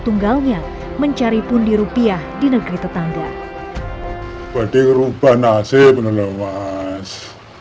tunggalnya mencari pundi rupiah di negeri tetangga berdiri rubah nasib menolong mas